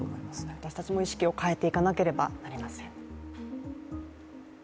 私たちも意識を変えていかなければなりません